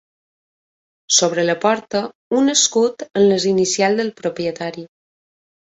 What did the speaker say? Sobre la porta, un escut amb les inicials del propietari: